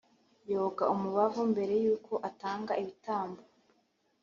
yoga umubavu mbere y uko atanga ibitambo